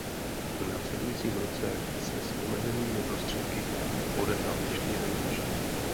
V následujícím roce se s omezenými prostředky odehrál ještě jeden ročník.